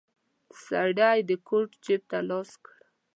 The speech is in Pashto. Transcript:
سړی د کوټ جيب ته لاس کړ.